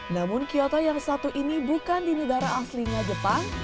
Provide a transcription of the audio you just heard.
namun kyoto yang satu ini bukan di negara aslinya jepang